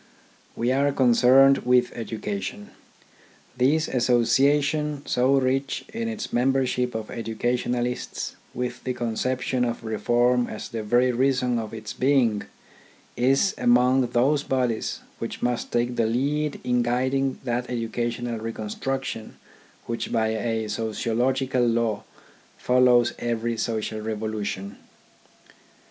We are concerned with education. This 2 THE ORGANISATION OF THOUGHT Association, so rich in its membership of educa tionalists, with the conception of reform as the very reason of its being, is among those bodies which must take the lead in guiding that educa tional reconstruction which by a sociological law follows every social revolution.